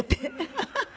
ハハハ。